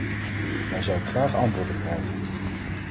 Daar zou ik graag antwoord op krijgen.